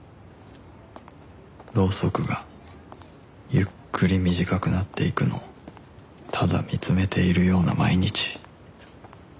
ろうそくがゆっくり短くなっていくのをただ見つめているような毎日